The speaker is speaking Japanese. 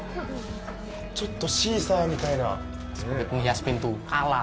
ちょっとシーサーみたいな？